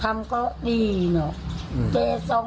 ทำก็ดีเนาะ